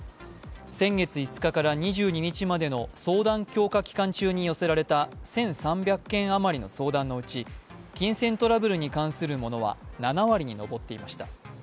先月５日から２２日までの相談強化期間中に寄せられた１３００件あまりの相談のうち金銭トラブルに関するものは７割に上っていました。